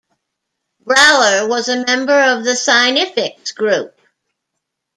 Brouwer was a member of the "Significs group".